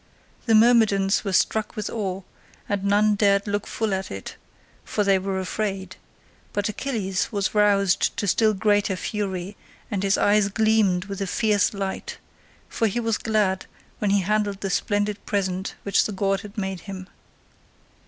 The Myrmidons were struck with awe, and none dared look full at it, for they were afraid; but Achilles was roused to still greater fury, and his eyes gleamed with a fierce light, for he was glad when he handled the splendid present which the god had made him.